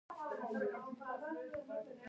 زما ګومان و چې دا یې راپورتاژ یا سفرنامه ده.